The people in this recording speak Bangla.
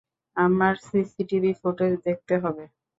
আমার সিসিটিভি ফুটেজ দেখতে হবে।